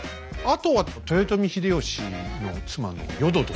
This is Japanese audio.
あとは豊臣秀吉の妻の淀殿。